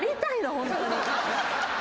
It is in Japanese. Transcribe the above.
ホントに。